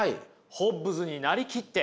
ホッブズになりきって。